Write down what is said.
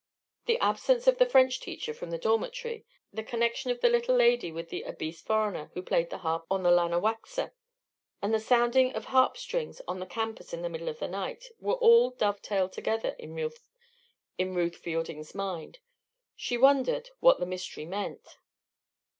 The absence of the French teacher from the dormitory, the connection of the little lady with the obese foreigner who played the harp on the Lanawaxa, and the sounding of harp strings on the campus in the middle of the night, were all dovetailed together in Ruth Fielding's mind. She wondered what the mystery meant.